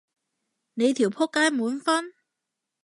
你條僕街滿分？